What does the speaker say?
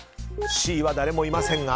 Ｃは誰もいませんが。